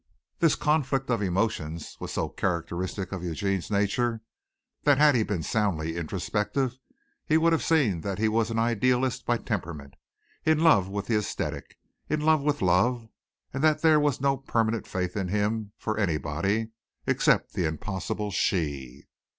This conflict of emotions was so characteristic of Eugene's nature, that had he been soundly introspective, he would have seen that he was an idealist by temperament, in love with the æsthetic, in love with love, and that there was no permanent faith in him for anybody except the impossible she.